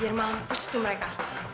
biar mampus tuh mereka